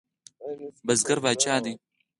بزګر پاچا دی؟